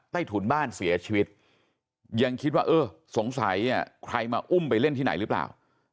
ถุนบ้านเสียชีวิตยังคิดว่าเออสงสัยใครมาอุ้มไปเล่นที่ไหนหรือเปล่า